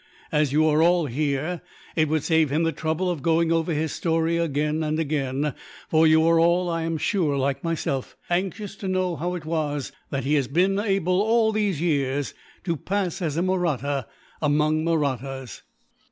As you are all here, it would save him the trouble of going over his story, again and again; for you are all, I am sure, like myself, anxious to know how it was that he has been able, all these years, to pass as a Mahratta among Mahrattas."